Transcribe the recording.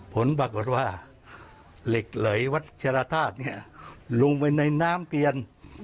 ผลปรากฏว่าเหล็กไหลวัชรธาตุเนี่ยลงไปในน้ำเตียน